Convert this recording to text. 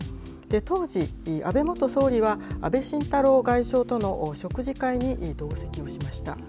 当時、安倍元総理は安倍晋太郎外相との食事会に同席をしました。